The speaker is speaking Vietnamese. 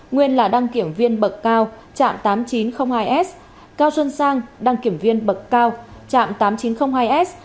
nguyên là đăng kiểm viên bậc cao trạm tám nghìn chín trăm linh hai s cao xuân sang đăng kiểm viên bậc cao trạm tám nghìn chín trăm linh hai s